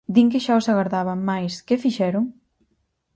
Din que xa os agardaban, mais, que fixeron?